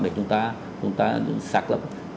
để chúng ta xác lập